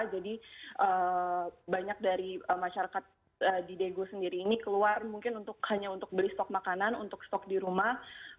jadi banyak dari masyarakat di daegu sendiri ini keluar mungkin untuk hanya untuk beli stok makanan untuk stok di rumah